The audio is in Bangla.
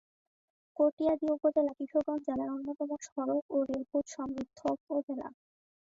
কটিয়াদী উপজেলা কিশোরগঞ্জ জেলার অন্যতম সড়ক ও রেলপথ সমৃদ্ধ উপজেলা।